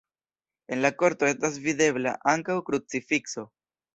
En la korto estas videbla ankaŭ krucifikso.